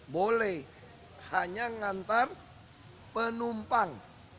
boleh hanya ngantar penumpang